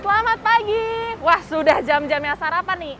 selamat pagi wah sudah jam jamnya sarapan nih